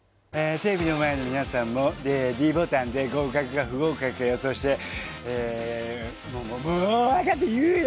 テレビの前の皆さんもｄボタンで合格か不合格か予想してえもう分かった言うよ